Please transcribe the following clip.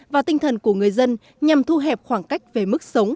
và tinh thần của người dân nhằm thu hẹp khoảng cách về mức sống